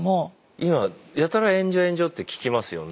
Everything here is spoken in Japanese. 今はやたら炎上炎上って聞きますよね。